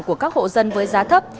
của các hộ dân với giá thấp